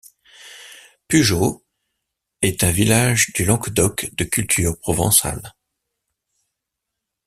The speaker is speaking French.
Pujaut est un village du Languedoc de culture provençale.